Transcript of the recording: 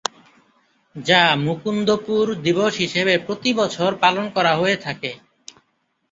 যা মুকুন্দপুর দিবস হিসেবে প্রতি বছর পালন করা হয়ে থাকে।